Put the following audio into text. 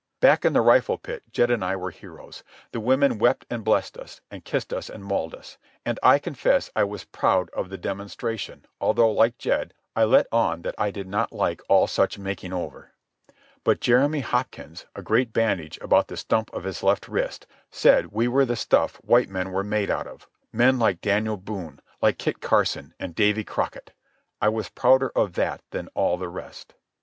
Back in the rifle pit Jed and I were heroes. The women wept and blessed us, and kissed us and mauled us. And I confess I was proud of the demonstration, although, like Jed, I let on that I did not like all such making over. But Jeremy Hopkins, a great bandage about the stump of his left wrist, said we were the stuff white men were made out of—men like Daniel Boone, like Kit Carson, and Davy Crockett. I was prouder of that than all the rest.